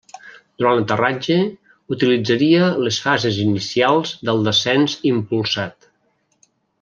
Durant l'aterratge, utilitzaria les fases inicials del descens impulsat.